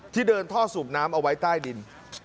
เดินท่อสูบน้ำเอาไว้ใต้ดิน